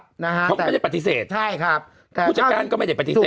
เขาก็ไม่ได้ปฏิเสธพูดจัดการก็ไม่ได้ปฏิเสธ